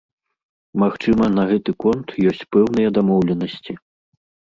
Магчыма, на гэты конт ёсць пэўныя дамоўленасці.